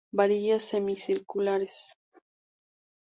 Varillas semicirculares.